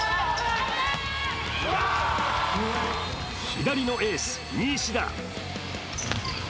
左のエース・西田。